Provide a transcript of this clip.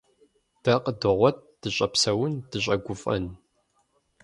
Дэ къыдогъуэт дыщӀэпсэун, дыщӀэгуфӀэн.